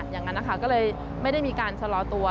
อย่างนั้นนะคะก็เลยไม่ได้มีการชะลอตัว